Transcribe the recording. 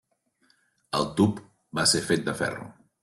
El tub va ser fet de ferro.